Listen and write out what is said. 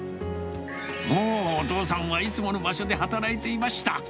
おお、お父さんはいつもの場所で働いていました。